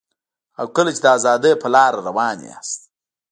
او کله چي د ازادۍ په لاره روان یاست